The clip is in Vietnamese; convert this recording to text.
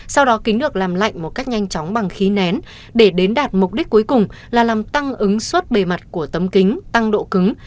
sau đó kính được làm lạnh một cách nhanh chóng bằng khí nén để đến đạt mục đích cuối cùng là làm tăng ứng suất bề mặt của tấm kính tăng độ cứng